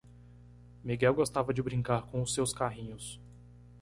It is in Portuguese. Miguel gostava de brincar com os seus carrinhos.